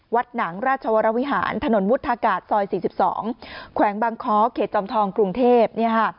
หนังราชวรวิหารถนนวุฒากาศซอย๔๒แขวงบางค้อเขตจอมทองกรุงเทพ